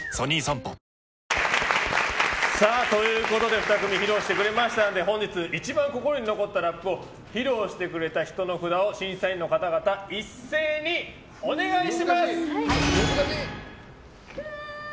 ２組、披露してくれましたので本日一番心に残ったラップを披露してくれた人の札を審査員の方々一斉にお願いします。